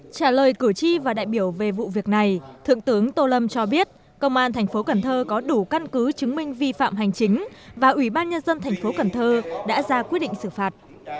trả lời cử tri và đại biểu về vụ việc này thượng tướng tô lâm cho biết công an thành phố cần thơ có đủ căn cứ chứng minh vi phạm hành chính và ủy ban nhân dân thành phố cần thơ đã ra quyết định xử phạt